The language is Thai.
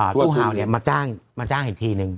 เจ้าชาวเนี่ยมาจ้างอีกทีนึง